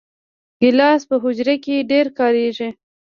ګیلاس په حجره کې ډېر کارېږي.